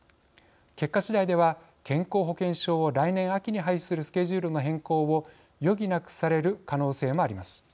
結果次第では健康保険証を来年秋に廃止するスケジュールの変更を余儀なくされる可能性もあります。